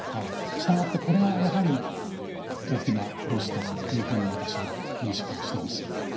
したがってこれがやはり、大きなロスというふうに私は認識をしています。